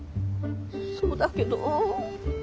そうだけど。